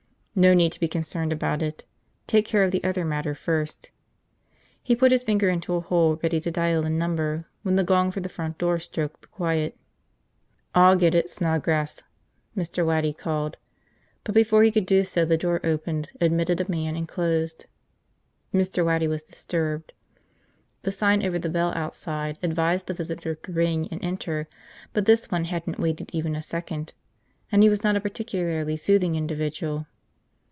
No need to be concerned about it. Take care of the other matter first. He put his finger into a hole ready to dial a number when the gong for the front door stroked the quiet. "I'll get it, Snodgrass," Mr. Waddy called. But before he could do so the door opened, admitted a man, and closed. Mr. Waddy was disturbed. The sign over the bell outside advised the visitor to ring and enter but this one hadn't waited even a second. And he was not a particularly soothing individual.